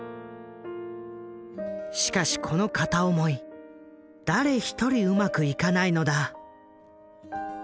しかしこの片思い誰一人うまくいかないのだ。